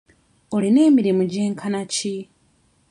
Olina emirimu gyenkana ki?